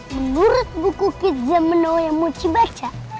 menurut buku kidz zemeno yang moci baca